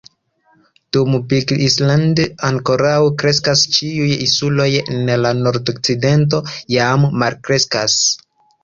Dum "Big Island" ankoraŭ kreskas, ĉiuj insuloj en la nordokcidento jam malkreskas.